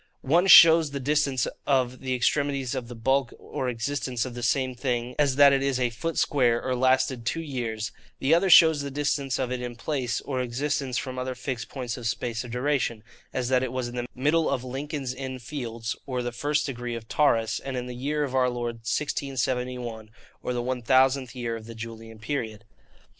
One shows the distance of the extremities of the bulk or existence of the same thing, as that it is a foot square, or lasted two years; the other shows the distance of it in place, or existence from other fixed points of space or duration, as that it was in the middle of Lincoln's Inn Fields, or the first degree of Taurus, and in the year of our Lord 1671, or the 1000th year of the Julian period.